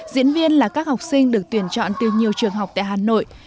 diễn viên là các học sinh được tuyển chọn từ nhiều trường học tại hà nội